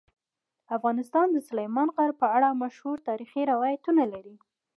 افغانستان د سلیمان غر په اړه مشهور تاریخی روایتونه لري.